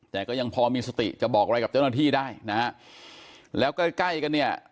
แต่ก็ยังพอมีสติจะบอกอะไรกับเจ้าหน้าที่ได้นะฮะแล้วใกล้ใกล้กันเนี่ย